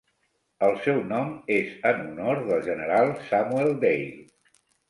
El seu nom és en honor del general Samuel Dale.